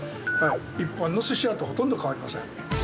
一般の寿司屋とほとんど変わりません。